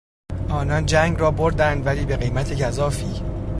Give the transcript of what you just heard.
آنان جنگ را بردند ولی به قیمت گزافی.